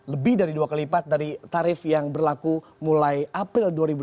lebih dari dua kali lipat dari tarif yang berlaku mulai april dua ribu enam belas